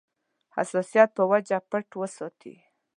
حساسیت په وجه پټ وساتي.